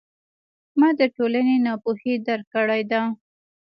ما د ټولنې ناپوهي درک کړې ده.